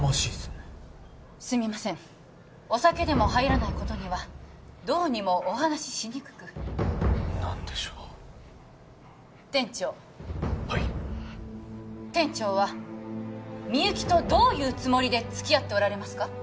お酒でも入らないことにはどうにもお話ししにくく何でしょう店長はい店長はみゆきとどういうつもりで付き合っておられますか？